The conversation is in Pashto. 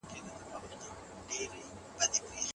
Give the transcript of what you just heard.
د افغانانو واکمني په ایران کې ناکامه شوه.